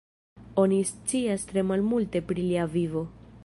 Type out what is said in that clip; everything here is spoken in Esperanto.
Oni scias tre malmulte pri lia vivo.